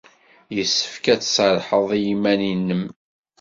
Yessefk ad tserrḥed i yiman-nnem.